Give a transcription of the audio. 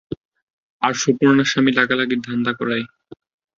আর সুপর্ণার স্বামী লাগালাগির ধান্দা করায়।